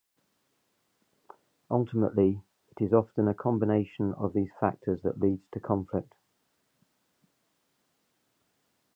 Ultimately, it is often a combination of these factors that leads to conflict.